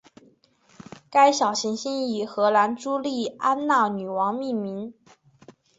该小行星以荷兰朱丽安娜女王命名。